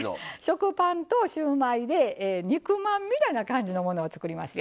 食パンとシューマイで肉まんみたいな感じのものを作りますよ。